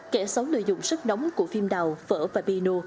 kẻ xấu lợi dụng sức nóng của phim đào phở và piano